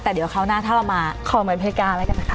แต่เดี๋ยวคราวหน้าถ้าเรามาขอหมายเพลกการณ์ละกันนะคะ